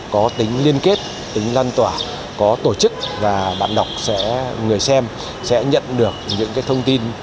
có tính liên kết tính lan tỏa có tổ chức và bạn đọc sẽ người xem sẽ nhận được những thông tin